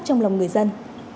trong lòng người dân